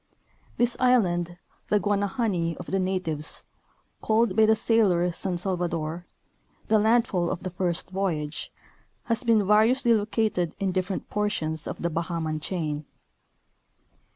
This island, the Guanahani of the natives, called by the sailor San Salvador, the landfall of the first voyage, has been variousl}^ located in different portions of the Bahaman chain.